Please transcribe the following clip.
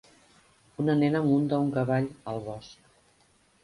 Una nena munta un cavall al bosc.